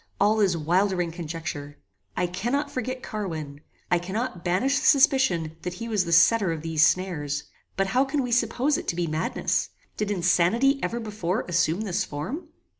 All is wildering conjecture. I cannot forget Carwin. I cannot banish the suspicion that he was the setter of these snares. But how can we suppose it to be madness? Did insanity ever before assume this form?"